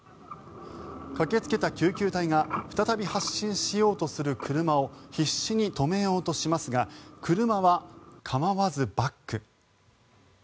駆けつけた救急隊が再び発進しようとする車を必死に止めようとしますが車は構わずバック。